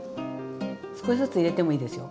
少しずつ入れてもいいですよ